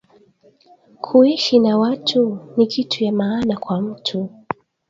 Kuishi na watu ni kitu ya maana kwa mutu